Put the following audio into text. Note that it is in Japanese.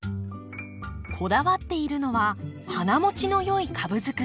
こだわっているのは花もちのよい株づくり。